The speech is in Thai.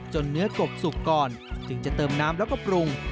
เนื้อกบสุกก่อนจึงจะเติมน้ำแล้วก็ปรุง